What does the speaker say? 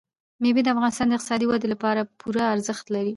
مېوې د افغانستان د اقتصادي ودې لپاره پوره ارزښت لري.